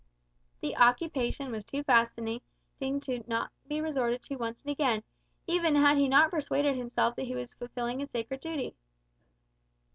The occupation was too fascinating not to be resorted to once and again, even had he not persuaded himself that he was fulfilling a sacred duty.